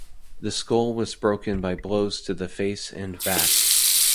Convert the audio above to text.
The skull was broken by blows to the face and back.